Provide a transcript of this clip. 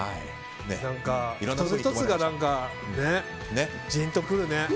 １つ１つがジーンとくるね。